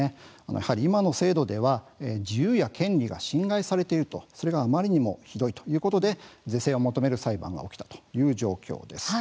やはり今の制度では自由や権利が侵害されている、それがあまりにもひどいということで是正を求める裁判が起きたという状況です。